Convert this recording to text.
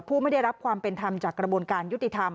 ไม่ได้รับความเป็นธรรมจากกระบวนการยุติธรรม